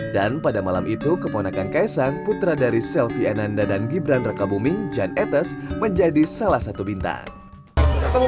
dan pada malam itu keponakan ks putra dari selvi ananda dan gibran rekabuming jan etes menjadi salah satu bintang